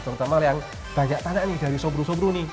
terutama yang banyak tanya nih dari sobro sobru nih